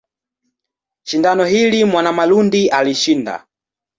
Shindano hili Mwanamalundi alishinda.